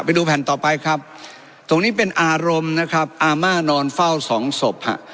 ไปดูแผ่นต่อไปครับตรงนี้เป็นอารมณ์นะครับอาม่านอนเฝ้าสองศพฮะ